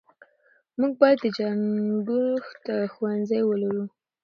موږ بايد د جنګښود ښوونځی ولرو .